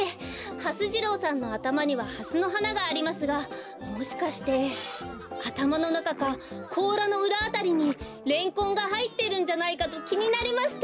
はす次郎さんのあたまにはハスのはながありますがもしかしてあたまのなかかこうらのうらあたりにレンコンがはいってるんじゃないかときになりまして。